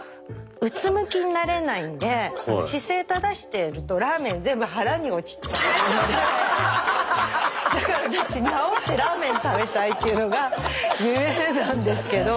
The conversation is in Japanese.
うつむきになれないんで姿勢正してるとだから治ってラーメン食べたいっていうのが夢なんですけど。